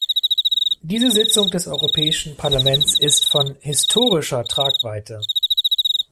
Diese Sitzung des Europäischen Parlaments ist von historischer Tragweite.